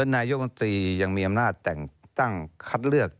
และนายโยคดียิ่งมีอำนาจตั้งคัตเลือก